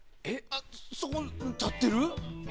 そこに立ってる？